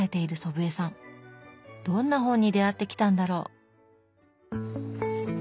どんな本に出会ってきたんだろう？